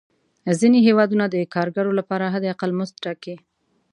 ځینې هېوادونه د کارګرو لپاره حد اقل مزد ټاکي.